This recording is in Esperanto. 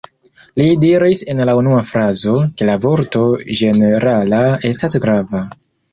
Li diris en la unua frazo, ke la vorto ĝenerala estas grava.